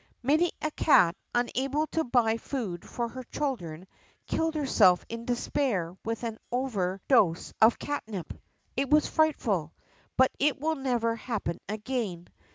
Many a cat, unable to buy food for her children, killed herself in despair with an over dose of catnip. It was frightful. But it will never happen again.